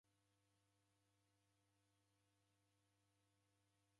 Nakwane na mwana wa awuyo